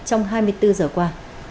trong hai mươi bốn giờ qua